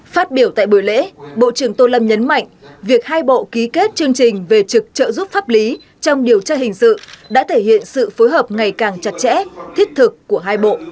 phát biểu tại buổi lễ bộ trưởng tô lâm nhấn mạnh việc hai bộ ký kết chương trình về trực trợ giúp pháp lý trong điều tra hình sự đã thể hiện sự phối hợp ngày càng chặt chẽ thiết thực của hai bộ